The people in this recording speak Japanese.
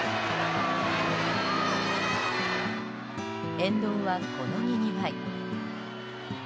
沿道は、このにぎわい。